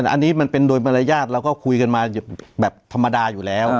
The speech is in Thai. อันนี้มันเป็นโดยมารยาทเราก็คุยกันมาแบบธรรมดาอยู่แล้ว